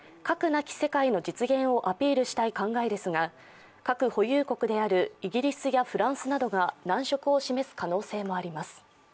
なき世界の実現をアピールしたい考えですが核保有国であるイギリスやフランスなどが難色を示す可能性もあります。